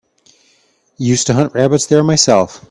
Used to hunt rabbits there myself.